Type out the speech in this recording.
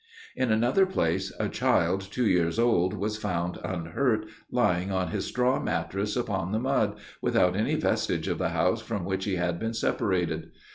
In another place, a child two years old was found unhurt, lying on his straw mattress upon the mud, without any vestige of the house from which he had been separated.